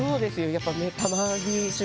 やっぱ。